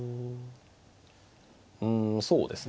うんそうですね